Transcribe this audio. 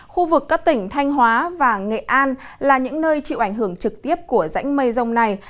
khu vực các tỉnh thanh hóa và nghệ an là những nơi chịu ảnh hưởng trực tiếp của rãnh mây rông này